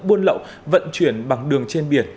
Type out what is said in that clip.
buôn lậu vận chuyển bằng đường trên biển